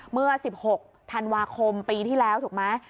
เมื่อ๑๖ธันวาคมปีที่แล้วถูกไหม